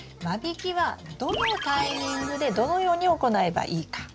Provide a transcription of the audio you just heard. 間引きはどのタイミングでどのように行えばいいか。